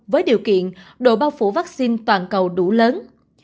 với điều kiện độ bao phủ vaccine toàn cầu đủ lớn